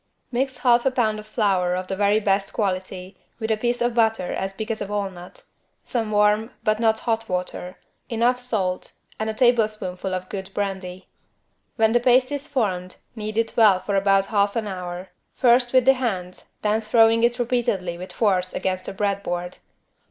Mix half a pound of flour of the very best quality with a piece of butter as big as a walnut, some warm, but not hot water, enough salt and a teaspoonful of good brandy. When the paste is formed knead it well for about half an hour, first with the hands, then throwing it repeatedly with force against the bread board.